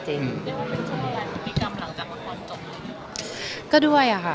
บุคดีที่ไม่ใช่ยมีกามหลังกามงั้นจบเลยเหรอ